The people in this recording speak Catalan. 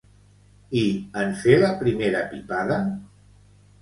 I en fer la primera pipada?